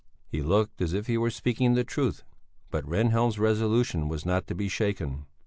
He looked as if he were speaking the truth, but Rehnhjelm's resolution was not to be shaken.